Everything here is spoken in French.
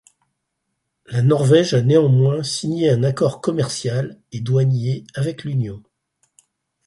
La Norvège a néanmoins signé un accord commercial et douanier avec l’Union.